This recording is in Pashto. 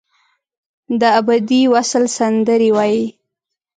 دابدي وصل سندرې وایې